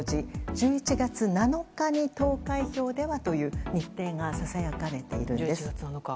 １１月７日に投開票ではという日程がささやかれているんです。